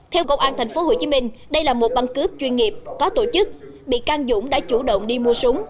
theo công an tp hcm đây là một băng cướp chuyên nghiệp có tổ chức bị can dũng đã chủ động đi mua súng